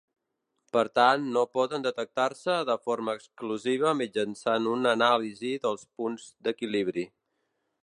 Per tant, no poden detectar-se de forma exclusiva mitjançant una anàlisi dels punts d'equilibri.